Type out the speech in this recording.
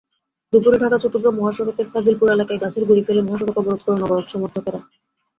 দুপুরে ঢাকা-চট্টগ্রাম মহাসড়কের ফাজিলপুর এলাকায় গাছের গুঁড়ি ফেলে মহাসড়ক অবরোধ করেন অবরোধ-সমর্থকেরা।